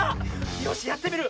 よしやってみる。